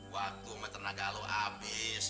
waktu meternaga lo abis